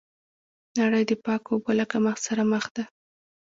نړۍ د پاکو اوبو له کمښت سره مخ ده.